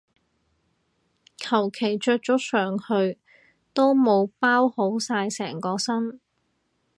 求其着咗上去都冇包好晒成個身